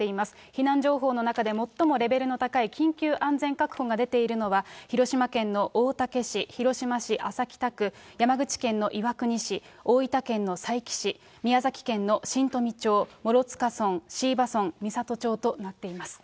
避難情報の中で最もレベルの高い緊急安全確保が出ているのは、広島県の大竹市、広島市安佐北区、山口県の岩国市、大分県の佐伯市、宮崎県の新富町、諸塚村、椎葉村、美郷町となっています。